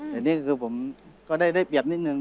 แต่นี่คือผมก็ได้เปรียบนิดนึง